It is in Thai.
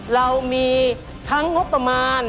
เรามีทั้งโฮปมาน